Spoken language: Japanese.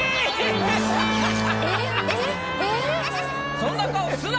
そんな顔すな。